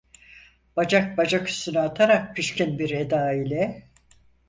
Bacak bacak üstüne atarak, pişkin bir eda ile: